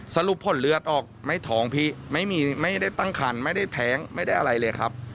สรุปผลเลือดออกไม่ท้องพี่ไม่ได้ตั้งคันไม่ได้แท้งไม่ได้อะไรเลยครับ